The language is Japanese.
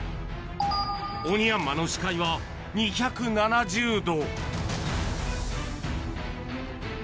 オニヤンマの視界は２７０度。